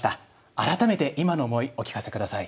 改めて今の思いお聞かせください。